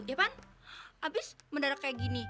dia pan habis mendarat kayak gini